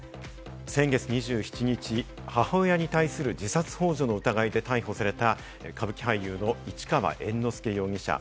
先月２７日、母親に対する自殺ほう助の疑いで逮捕された歌舞伎俳優の市川猿之助容疑者。